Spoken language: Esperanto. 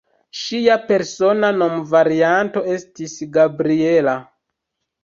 Ŝia persona nomvarianto estis "Gabriella".